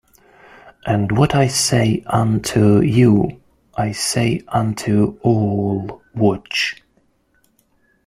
And what I say unto you, I say unto all, Watch!